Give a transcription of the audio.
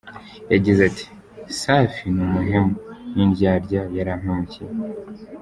Yagize ati “Safi ni umuhemu, ni indyarya, yarampemukiye.